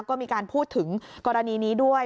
ก็มีการพูดถึงกรณีนี้ด้วย